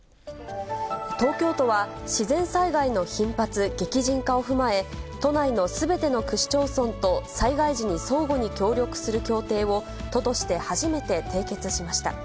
東京都は、自然災害の頻発、激甚化を踏まえ、都内のすべての区市町村と災害時に相互に協力する協定を、都として初めて締結しました。